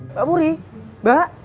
mbak puri mbak